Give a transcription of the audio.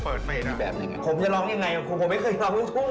โรสไม่ดีแล้วใช่ไหม